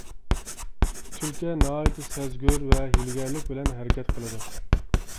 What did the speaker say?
تۈلكە ناھايىتى سەزگۈر ۋە ھىيلىگەرلىك بىلەن ھەرىكەت قىلىدۇ.